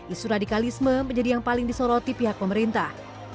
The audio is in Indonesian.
isu radikalisme menjadi yang paling disoroti pihak pemerintah